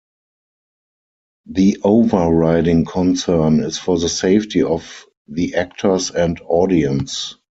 The over-riding concern is for the safety of the actors and audience.